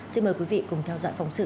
hãy cùng theo dõi phóng sự